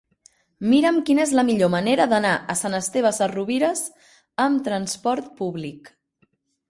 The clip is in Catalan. Mira'm quina és la millor manera d'anar a Sant Esteve Sesrovires amb trasport públic.